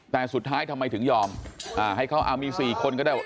แต่สุดท้ายทำไมถึงยอมให้เขามี๔คนก็ได้ว่า